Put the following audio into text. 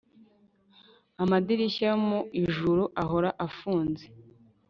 amadirishya yo mu ijuru ahora afunze